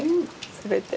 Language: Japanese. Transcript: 全て。